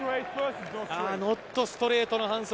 ノットストレートの反則。